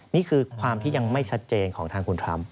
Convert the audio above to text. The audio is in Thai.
นี่คือความที่ยังไม่ชัดเจนของทางคุณทรัมป